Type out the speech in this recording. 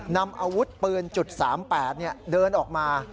นำอาวุธปืน๓๘เดินออกมา